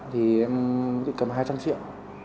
thì em bị cấm hai trăm linh triệu